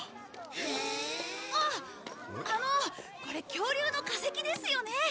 これ恐竜の化石ですよね？